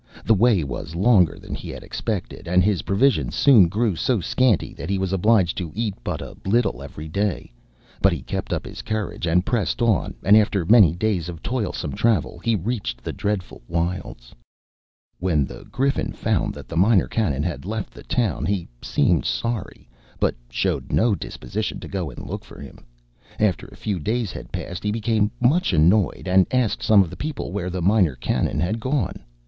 The way was longer than he had expected, and his provisions soon grew so scanty that he was obliged to eat but a little every day, but he kept up his courage, and pressed on, and, after many days of toilsome travel, he reached the dreadful wilds. When the Griffin found that the Minor Canon had left the town he seemed sorry, but showed no disposition to go and look for him. After a few days had passed, he became much annoyed, and asked some of the people where the Minor Canon had gone.